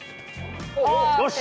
よし！